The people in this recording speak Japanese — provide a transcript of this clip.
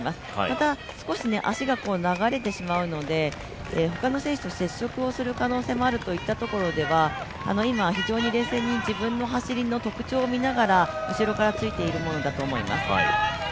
また少し足が流れてしまうので他の選手と接触をする可能性があるといったところでは、今、非常に冷静に自分の走りの特徴を見ながら、後ろについているものだと思います。